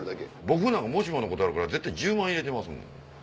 僕なんかもしものことあるから絶対１０万入れてますもん。